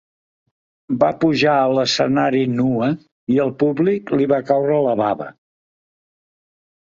Va pujar a l'escenari nua i al públic li va caure la bava.